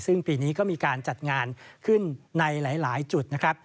ซึ่งปีนี้ก็มีการจัดงานขึ้นในหลายจุดนะครับ